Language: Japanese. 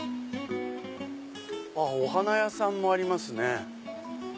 お花屋さんもありますね。